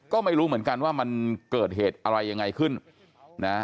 ก็ไม่รู้เหมือนกันว่ามันเกิดเหตุอะไรยังไงขึ้นนะ